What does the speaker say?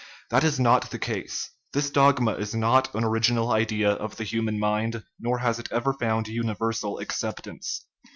That is not the case. This dogma is not an original idea of the human mind, nor has it ever found universal ac ceptance.